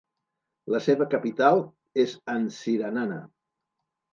La seva capital és Antsiranana.